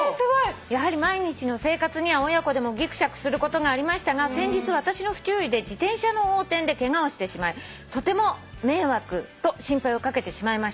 「やはり毎日の生活には親子でもぎくしゃくすることがありましたが先日私の不注意で自転車の横転でケガをしてしまいとても迷惑と心配をかけてしまいました」